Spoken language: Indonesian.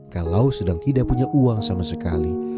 kalau sedang tidak punya uang sama sekali